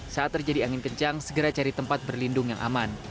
saat terjadi angin kencang segera cari tempat berlindung yang aman